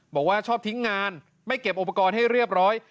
บอกว่าชอบทิ้งงานไม่เก็บอุปกรณ์ให้เรียบร้อย